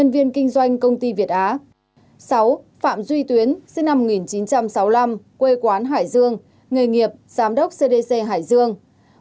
nhân viên sáu phạm duy tuyến sinh năm một nghìn chín trăm sáu mươi năm quê quán hải dương nghề nghiệp giám đốc cdc hải dương